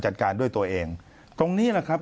จัดการด้วยตัวเองตรงนี้แหละครับ